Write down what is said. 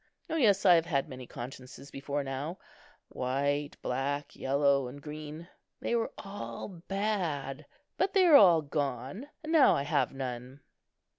O yes, I have had many consciences before now—white, black, yellow, and green; they were all bad; but they are all gone, and now I have none."